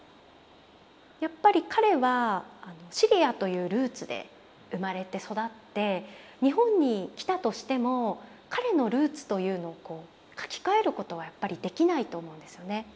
やっぱり彼はシリアというルーツで生まれて育って日本に来たとしても彼のルーツというのを書き換えることはやっぱりできないと思うんですよね。